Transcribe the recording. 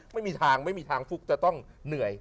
ไม่มีทางไม่มีทางฟุกจะต้องเหนื่อย